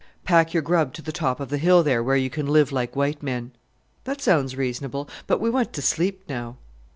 Pack your grub to the top of the hill there, where you can live like white men." "That sounds reasonable, but we want to sleep now."